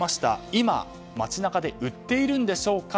今、街中で売っているんでしょうか。